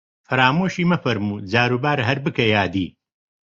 فەرامۆشی مەفەرموو، جاروبارە هەر بکە یادی